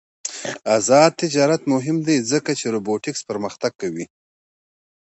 آزاد تجارت مهم دی ځکه چې روبوټکس پرمختګ کوي.